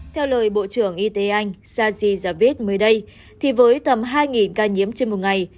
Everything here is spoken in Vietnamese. theo lời bộ trưởng y tế anh saji javid mới đây thì với tầm hai ca nhiễm trên một ngày